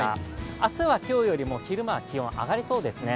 明日は今日よりも昼間は気温が上がりそうですね。